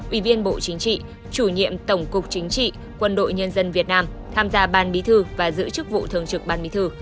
ủy viên bộ chính trị chủ nhiệm tổng cục chính trị quân đội nhân dân việt nam tham gia ban bí thư và giữ chức vụ thường trực ban bí thư